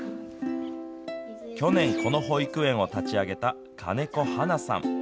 去年この保育園を立ち上げた金子花菜さん。